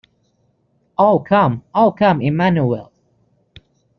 O come O come Emmanuel.